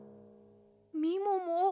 みもも